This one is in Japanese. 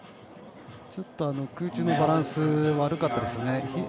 ちょっと、空中のバランスが悪かったですよね。